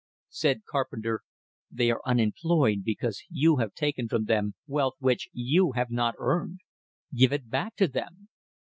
Said Carpenter: "They are unemployed because you have taken from them wealth which you have not earned. Give it back to them."